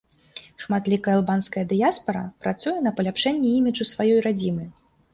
Шматлікая албанская дыяспара працуе на паляпшэнне іміджу сваёй радзімы.